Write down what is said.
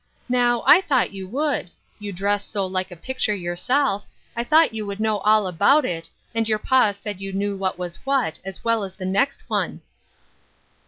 Now, I thought you would. You dress so like a picture yourself, I thought you would know all about it, and your pa said you knew what was what as well as the next one."